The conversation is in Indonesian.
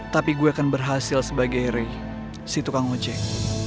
tapi gue akan berhasil sebagai si tukang ojek